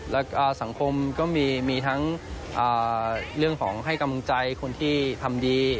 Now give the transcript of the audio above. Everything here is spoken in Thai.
และสังคมก็มีทั้งเรื่องของให้กำลังใจคนที่ทำดี